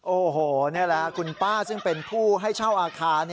โอ้โหนี่แหละคุณป้าซึ่งเป็นผู้ให้เช่าอาคาร